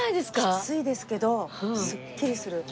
きついですけどすっきりする。